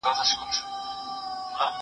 زه به اوږده موده کالي وچولي وم!